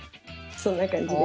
そんな感じです。